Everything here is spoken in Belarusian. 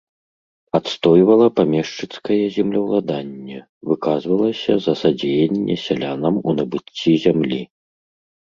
Адстойвала памешчыцкае землеўладанне, выказвалася за садзеянне сялянам у набыцці зямлі.